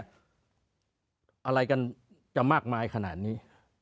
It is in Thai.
อะไรกันจะมากมายขนาดนี้